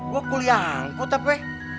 gue kuliah angkot tapi